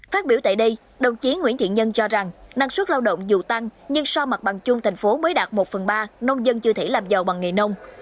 phát biểu tại đây đồng chí nguyễn thiện nhân cho rằng năng suất lao động dù tăng nhưng so mặt bằng chung thành phố mới đạt một phần ba nông dân chưa thể làm giàu bằng nghề nông